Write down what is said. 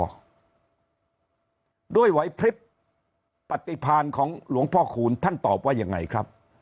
ด้วยไหวพลิบปฏิพาณของหลวงพ่อคูณท่านตอบว่ายังไงครับ